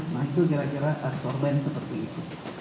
nah itu kira kira adsorben seperti itu